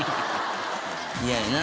嫌やな。